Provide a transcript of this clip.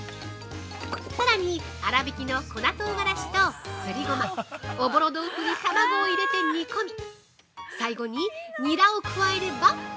さらに粗びきの粉とうがらしとすりごま、おぼろ豆腐に卵を入れて煮込み最後にニラを加えれば◆